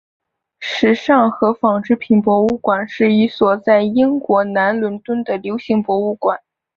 时尚和纺织品博物馆是一所在英国南伦敦的流行博物馆。